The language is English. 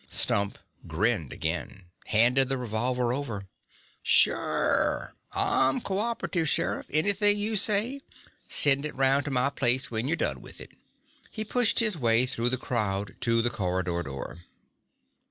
Stump grinned again, handed the revolver over. "Sure. I'm cooperative, Sheriff. Anything you say. Send it around to my place when you're done with it." He pushed his way through the crowd to the corridor door.